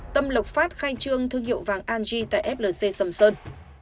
tâm lộc pháp khai trương thương hiệu vàng anji tại flc sầm sơn